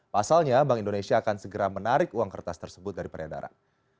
pasalnya bank indonesia akan segera menarik uang kertas tersebut dari peredaran